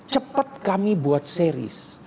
cepat kami buat series